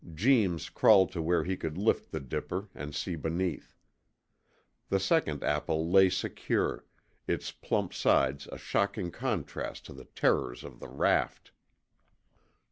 Jeems crawled to where he could lift the dipper and see beneath. The second apple lay secure, its plump sides a shocking contrast to the terrors of the raft.